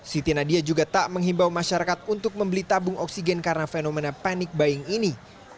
siti nadia juga tak menghimbau masyarakat untuk membeli tabung oksigen karena fenomena panic buying ini